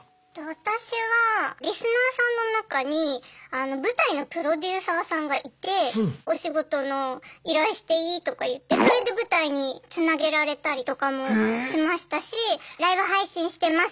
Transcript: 私はリスナーさんの中に舞台のプロデューサーさんがいて「お仕事の依頼していい？」とか言ってそれで舞台につなげられたりとかもしましたしライブ配信してます